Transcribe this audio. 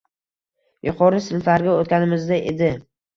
Yuqori sinflarga oʻtganimizda edi.